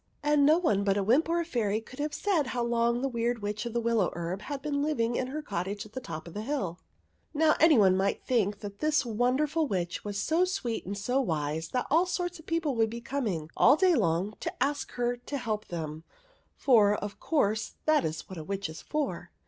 And no one but a wymp or a fairy could have said how long the Weird Witch of the Willow Herb had been living in her cottage on the top of the hill. 5^ 4 THE WEIRD WITCH Now, any one might think that this won derful Witch was so sweet and so wise that all sorts of people would be coming, all day long, to ask her to help them ; for, of course, that is what a witch is for.